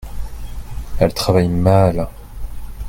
elle travaille mal.